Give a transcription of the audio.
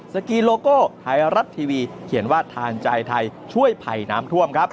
สกีโลโก้ไทยรัฐทีวีเขียนว่าทานใจไทยช่วยไผ่น้ำท่วมครับ